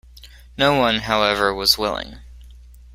No one, however, was willing.